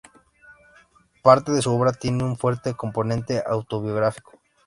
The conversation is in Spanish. Parte de su obra tiene un fuerte componente autobiográfico.